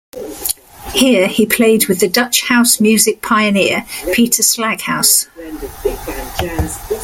Here he played with the Dutch House music pioneer Peter Slaghuis.